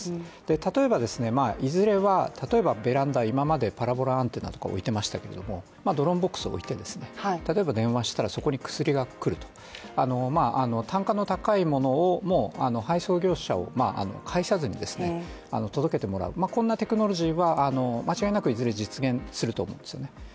例えば、いずれはベランダ、今まではパラボラアンテナなんかを置いてましたけど置いてましたけども、ドローンボックスを置いて、例えば電話したら薬が来る、単価の高いものも配送業者を介さずに届けてもらうこんなテクノロジーは間違いなくいずれ実現すると思うんですよね。